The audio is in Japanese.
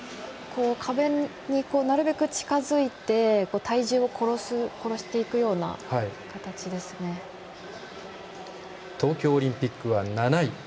壁になるべく近づいて体重を殺していくような東京オリンピックは７位。